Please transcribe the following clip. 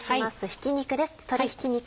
ひき肉です。